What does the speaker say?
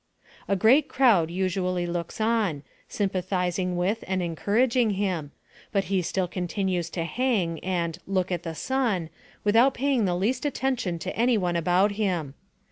A great crowd usually looks on, sympathizing with and encouraging him, but he still continues to hang and 142 NARRATIVE OF CAPTIVITY " look at the sun," without paying the least attention to any one about him.